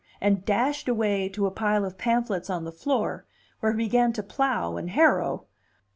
and dashed away to a pile of pamphlets on the floor, where he began to plough and harrow.